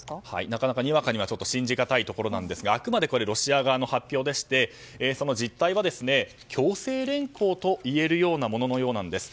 なかなか、にわかにはちょっと信じがたいところなんですがあくまでこれはロシア側の発表でしてその実態は強制連行と言えるようなもののようなんです。